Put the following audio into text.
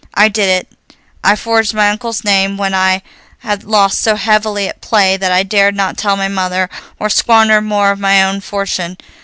"I did it; I forged my uncle's name when I had lost so heavily at play that I dared not tell my mother, or squander more of my own fortune.